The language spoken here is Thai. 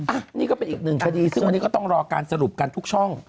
อันนี้ก็เป็นอีกหนึ่งคดีซึ่งวันนี้ก็ต้องรอการสรุปกันทุกช่อง